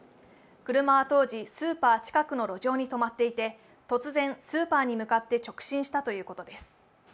車は当時スーパー近くの路上に止まっていて突然、スーパーに向かって直進したということです。